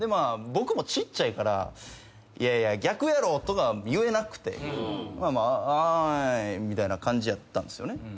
僕もちっちゃいから「いやいや逆やろ」とか言えなくて「あ」みたいな感じやったんですよね。